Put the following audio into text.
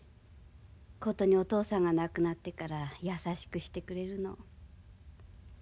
ことにお父さんが亡くなってから優しくしてくれるの。